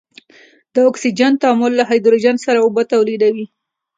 د اکسجن تعامل له هایدروجن سره اوبه تولیدیږي.